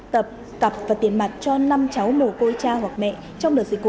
tập tập và tiền mặt cho năm cháu mồ côi